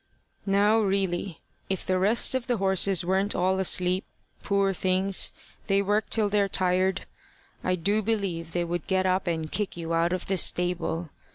"Now really if the rest of the horses weren't all asleep, poor things they work till they're tired I do believe they would get up and kick you out of the stable.